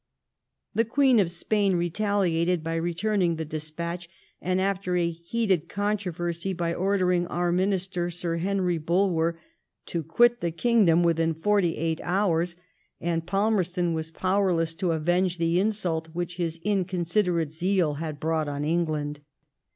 '' The Queen of Spain retaliated by return ing the despatch, and, after a heated controversy, by ordering our minister. Sir Henry Bulwer, to quit the 120 LIFE OF VISCOUNT FALMEE8T0N. kiDgdom witbin forty eight hoars, and Palmerston was powerless to avenge the insult which his inconsiderate zeal had brought on England.